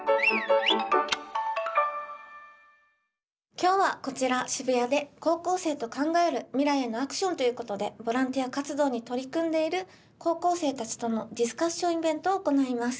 今日はこちら渋谷で高校生と考える未来へのアクションということでボランティア活動に取り組んでいる高校生たちとのディスカッションイベントを行います。